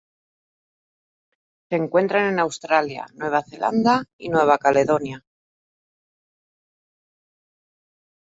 Se encuentran en Australia, Nueva Zelanda y Nueva Caledonia.